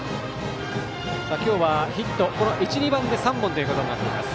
今日は１、２番でヒット３本となっています。